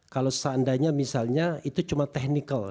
kalau seandainya misalnya itu cuma technical